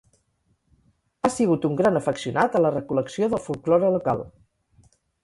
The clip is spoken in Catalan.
Ha sigut un gran afeccionat a la recol·lecció del folklore local.